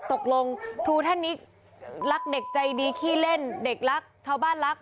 ตกลงครูท่านนี้รักเด็กใจดีขี้เล่นเด็กรักชาวบ้านรัก